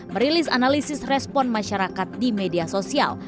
merilis analisis respon masyarakat di media sosial